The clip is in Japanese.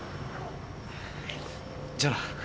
じゃあな。